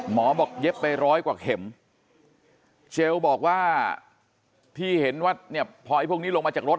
หมอบอกเย็บไปร้อยกว่าเข็มเจลบอกว่าที่เห็นว่าเนี่ยพอไอ้พวกนี้ลงมาจากรถ